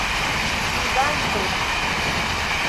ludanto